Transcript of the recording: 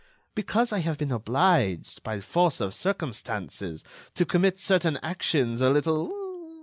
Because I have been obliged, by force of circumstances, to commit certain actions a little